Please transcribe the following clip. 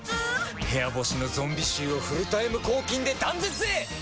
部屋干しのゾンビ臭をフルタイム抗菌で断絶へ！